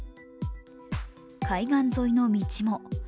海岸沿いの道も。